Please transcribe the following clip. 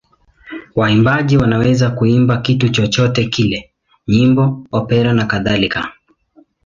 Waimbaji wanaweza kuimba kitu chochote kile: nyimbo, opera nakadhalika.